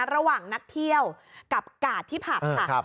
ระหว่างนักเที่ยวกับกาดที่ผับค่ะ